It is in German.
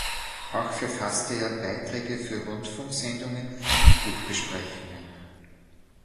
Auch verfasste er Beiträge für Rundfunksendungen und Buchbesprechungen.